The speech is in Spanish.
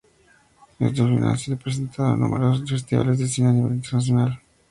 Este film ha sido presentado en numerosos festivales de cine a nivel internacional.